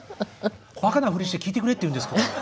バカなふりして聞いてくれって言うんですけど。